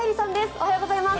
おはようございます。